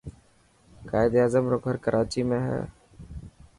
قائد اعظم رو گھر ڪراچي ۾ هي.